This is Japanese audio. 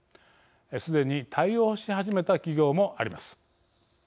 すでに対応し始めた企業もあります。